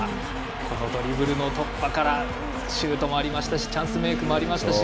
ドリブルの突破からシュートもありましたしチャンスメイクもありましたし。